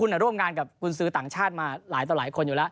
คนน่าร่วมงานกับกุญสือต่างชาติมาหลายต่อหลายคน